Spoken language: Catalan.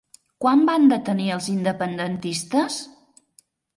Quan van detenir als independentistes?